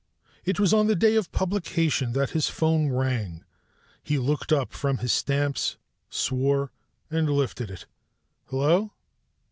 It was on the day of publication that his phone rang. He looked up from his stamps, swore, and lifted it. "Hello?"